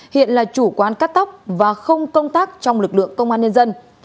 hiện là chủ quán cắt tóc và không công tác trong lực lượng công an nhân dân